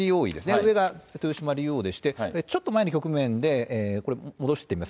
上が豊島竜王でして、ちょっと前の局面で、これ、下ろしてみます。